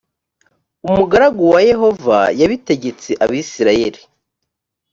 umugaragu wa yehova yabitegetse abisirayeli